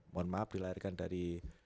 mohon maaf dilahirkan dari